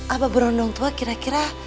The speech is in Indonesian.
apa berondong tua kira kira